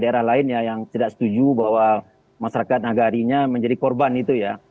daerah lain yang tidak setuju bahwa masyarakat nagarinya menjadi korban itu ya